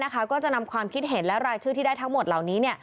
ก็จะนำความคิดเห็นและรายชื่อที่ได้ทั้งหมดเหล่านี้